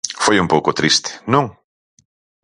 Foi un pouco triste, non?